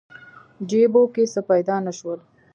جیبو کې څه پیدا نه شول.